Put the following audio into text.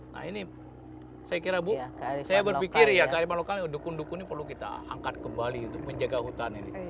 nah ini saya kira bu saya berpikir ya kearifan lokal dukun dukun ini perlu kita angkat kembali untuk menjaga hutan ini